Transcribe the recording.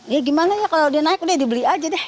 ya gimana ya kalau dia naik udah dibeli aja deh